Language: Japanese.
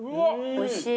おいしい。